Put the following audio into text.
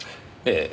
ええ。